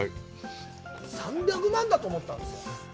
３００万だと思ったんですよ。